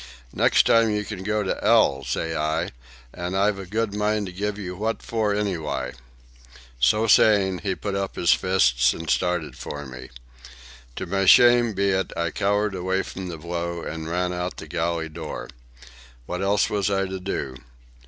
Nex' time you can go to 'ell, say I, an' I've a good mind to give you what for anyw'y." So saying, he put up his fists and started for me. To my shame be it, I cowered away from the blow and ran out the galley door. What else was I to do?